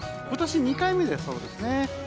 今年２回目だそうです。